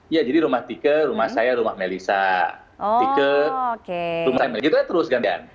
ya jadi rumah tikke rumah saya rumah melissa tike rumah gitu aja terus gantian